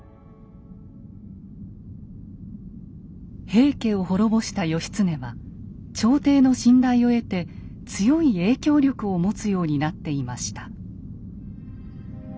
平家を滅ぼした義経は朝廷の信頼を得て強い影響力を持つようになっていました。